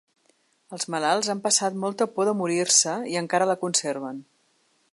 Els malalts han passat molta por de morir-se i encara la conserven.